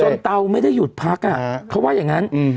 เตาไม่ได้หยุดพักเขาว่าอย่างนั้น